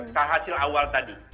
ke hasil awal tadi